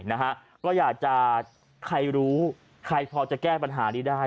นะฮะก็อยากจะใครรู้ใครพอจะแก้ปัญหานี้ได้